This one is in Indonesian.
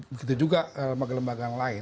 begitu juga lembaga lembaga yang lain